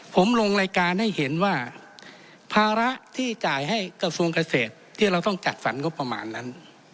ผมลงรายการให้เห็นว่าภาระที่จ่ายให้กระทรวงเกษตรที่เราต้องจัดสรรงบประมาณนั้น